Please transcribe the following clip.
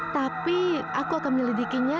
tapi aku akan menyelidikinya